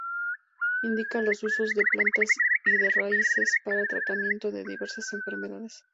Indica los usos de plantas y de raíces para el tratamiento de diversas enfermedades.